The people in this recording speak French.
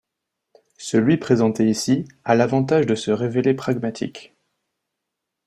Celui présenté ici a l'avantage de se révéler pragmatique.